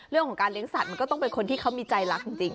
เรื่องของการเลี้ยงสัตว์มันก็ต้องเป็นคนที่เขามีใจรักจริง